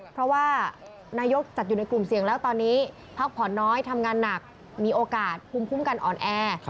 เพราะว่านายกจัดอยู่ในกลุ่มเสี่ยงแล้วตอนนี้พักผ่อนน้อยทำงานหนักมีโอกาสภูมิคุ้มกันอ่อนแอ